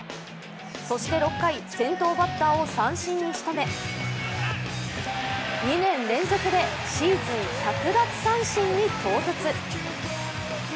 そして６回、先頭バッターを三振にしとめ２年連続でシーズン１００奪三振に到達。